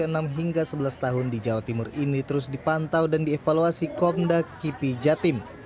enam hingga sebelas tahun di jawa timur ini terus dipantau dan dievaluasi komda kipi jatim